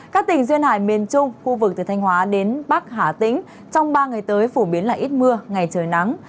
các tỉnh duyên hải miền trung khu vực từ thanh hóa đến bắc hà tĩnh trong ba ngày tới phổ biến là ít mưa ngày trời nắng